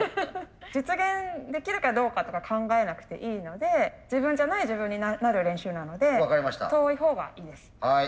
実現できるかどうかとか考えなくていいので自分じゃない自分になる練習なので遠いほうがいいです。